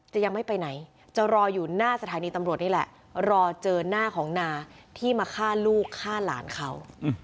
เจอหน้าของนาที่มาฆ่าลูกฆ่าหลานเขา